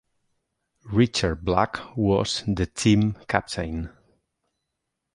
Richard Black was the team captain.